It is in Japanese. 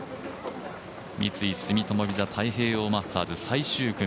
三井住友ＶＩＳＡ太平洋マスターズ最終組。